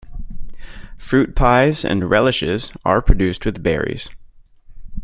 Fruit pies and relishes are produced with berries.